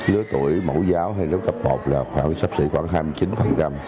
lứa tuổi mẫu giáo hay lớp cấp một là phải sắp xỉ khoảng hai mươi chín